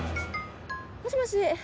もしもし。